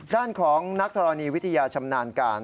ด้านของนักธรณีวิทยาชำนาญการ